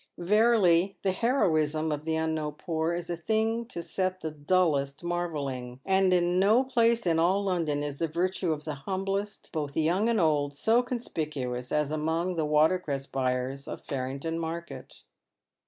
Verily the heroism of the unknown poor is a thing to set the dullest marvelling ; and in no place in all London is the virtue of the humblest, both young and old, so conspicuous as among the water cress buyers of Parringdon market.